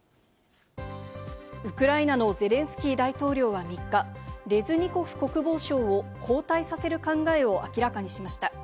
ウクライナのゼレンスキー大統領は３日、レズニコフ国防相を交代させる考えを明らかにしました。